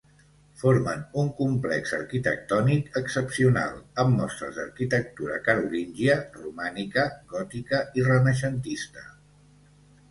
Formen un complex arquitectònic excepcional, amb mostres d'arquitectura carolíngia, romànica, gòtica i renaixentista.